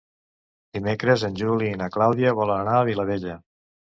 Dimecres en Juli i na Clàudia volen anar a Vilabella.